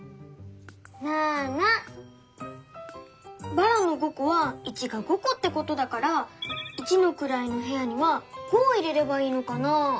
ばらの５こは「１」が５こってことだから一のくらいのへやには５を入れればいいのかな？